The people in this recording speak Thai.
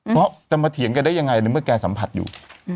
เพราะจะมาเถียงแกได้ยังไงในเมื่อแกสัมผัสอยู่